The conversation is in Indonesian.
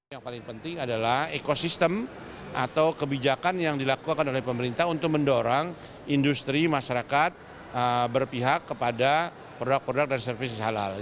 yang paling penting adalah ekosistem atau kebijakan yang dilakukan oleh pemerintah untuk mendorong industri masyarakat berpihak kepada produk produk dari service halal